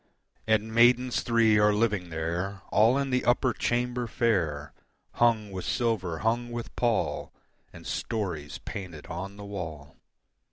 And maidens three are living there All in the upper chamber fair, Hung with silver, hung with pall, And stories painted on the wall.